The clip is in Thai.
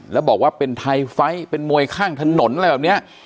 แล้วบอกว่าเป็นไทยไฟท์เป็นมวยข้างถนนอะไรแบบนี้